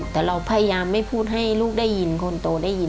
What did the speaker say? แต่เราพยายามไม่พูดให้ลูกได้ยินคนโตได้ยิน